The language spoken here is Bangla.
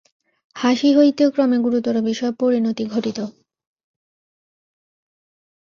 হাসি হইতে ক্রমে গুরুতর বিষয়ে পরিণতি ঘটিত।